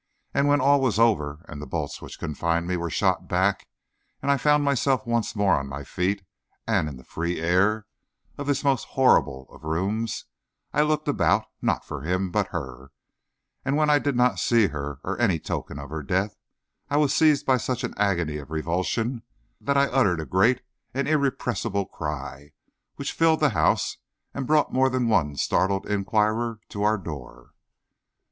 And when all was over, and the bolts which confined me were shot back, and I found myself once more on my feet and in the free air of this most horrible of rooms, I looked about, not for him, but her, and when I did not see her or any token of her death, I was seized by such an agony of revulsion that I uttered a great and irrepressible cry which filled the house, and brought more than one startled inquirer to our door.